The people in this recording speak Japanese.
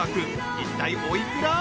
一体おいくら？